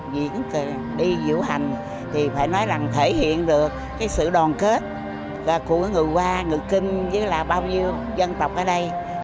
những cái đi diễu hành thì phải nói là thể hiện được cái sự đoàn kết của người hoa người kinh chứ là bao nhiêu dân tộc ở đây